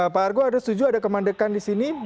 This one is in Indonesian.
pak argo ada setuju ada kemandekan di sini